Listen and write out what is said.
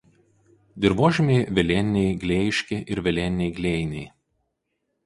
Dirvožemiai velėniniai glėjiški ir vėlėniniai glėjiniai.